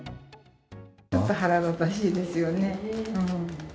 ちょっと腹立たしいですよね。